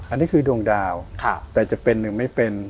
อันนี้คือดวงดาวแต่จะเป็นหรือไม่เป็น